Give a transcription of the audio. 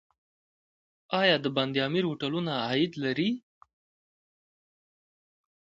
آیا د بند امیر هوټلونه عاید لري؟